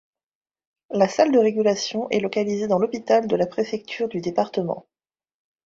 La salle de régulation est localisée dans l'hôpital de la préfecture du département.